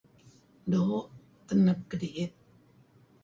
Doo' teneb kedi'it.